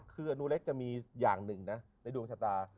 คืออนุเล็กจะมีอย่างหนึ่งนะในดวงชะตา